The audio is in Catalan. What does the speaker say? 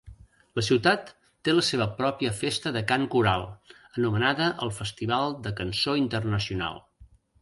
La ciutat té la seva pròpia festa de cant coral, anomenada el Festival de Cançó Internacional.